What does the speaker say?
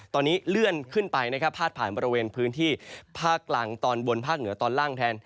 ตอนนี้เลื่อนขึ้นไปนะครับพาดผ่านบริเวณพื้นที่ภาคกลางตอนบนภาคเหนือตอนล่างแทน